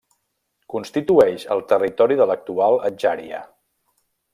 Constitueix el territori de l'actual Adjària.